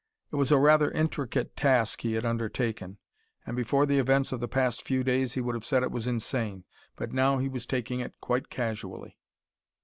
It was a rather intricate task he had undertaken, and before the events of the past few days he would have said it was insane. But now he was taking it quite casually.